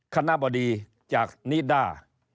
คณะบดีจากนิดด้า